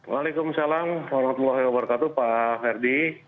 waalaikumsalam warahmatullahi wabarakatuh pak herdy